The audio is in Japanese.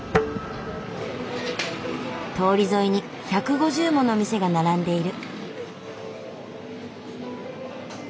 通り沿いに１５０もの店が並んでいる。